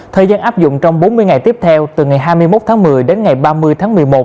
thời gian áp dụng trong bốn mươi ngày tiếp theo từ ngày hai mươi một tháng một mươi đến ngày ba mươi tháng một mươi một